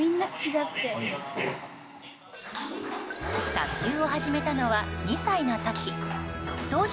卓球を始めたのは２歳の時。